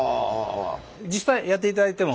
実際やっていただいても。